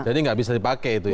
jadi gak bisa dipakai itu ya